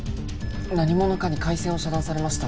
何者かに回線を遮断されました